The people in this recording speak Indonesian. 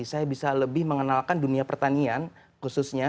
saya bisa lebih mengenalkan dunia pertanian khususnya